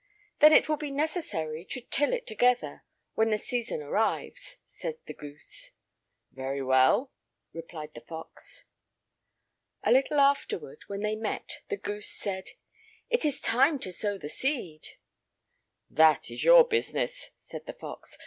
"Then it will be necessary to till it together when the season arrives," said the goose. "Very well," replied the fox. A little afterward, when they met, the goose said: "It is time to sow the seed." "That is your business," said the fox.